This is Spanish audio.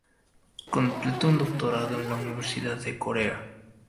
Completó un doctorado en la Universidad de Corea.